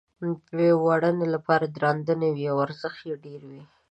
د وړنې لپاره درانده نه وي او ارزښت یې ډېر وي.